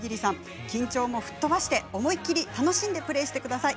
緊張も吹っ飛ばして思い切り楽しんでプレーしてください。